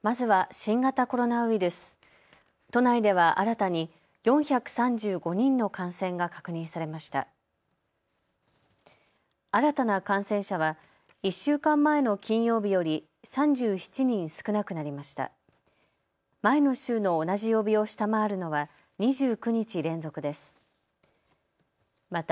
新たな感染者は１週間前の金曜日より３７人少なくなりました。